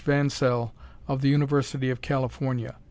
Vansell of the University of California.